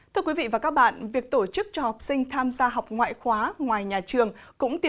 thưa quý vị và các bạn việc tổ chức cho học sinh tham gia học ngoại khóa ngoài nhà trường cũng tiềm